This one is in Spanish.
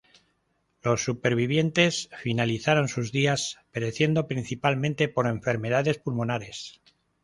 Los supervivientes finalizaron sus días pereciendo principalmente por enfermedades pulmonares.